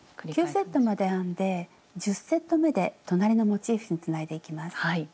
９セットまで編んで１０セットめで隣のモチーフにつないでいきます。